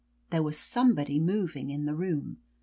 There was somebody moving in the room.